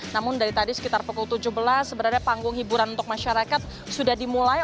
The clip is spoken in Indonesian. namun dari tadi sekitar pukul tujuh belas sebenarnya panggung hiburan untuk masyarakat sudah dimulai